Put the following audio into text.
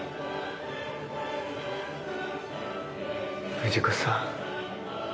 藤子さん。